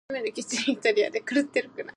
It was Sheehy's third All-Ireland winners' medal.